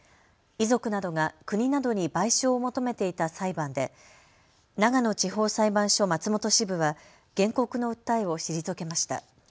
遺族などが国などに賠償を求めていた裁判で長野地方裁判所松本支部は原告の訴えを退けました。